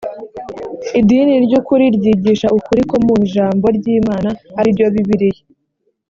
idini ry ukuri ryigisha ukuri ko mu ijambo ry imana ari ryo bibiliya